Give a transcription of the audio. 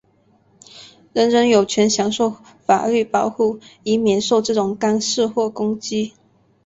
人人有权享受法律保护,以免受这种干涉或攻击。